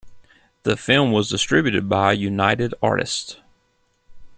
The film was distributed by United Artists.